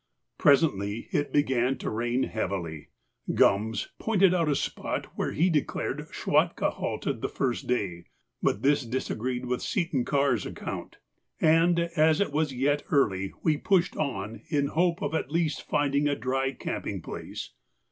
Presently it began to rain heavily; Gums pointed out a spot where he declared Schwatka halted the first day, but this disagreed with Seton Karr's account, and as it was yet early we pushed on in hope of at least finding a dry camping place.